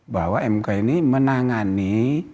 bahwa mk ini menangani